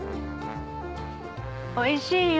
おいしいよ。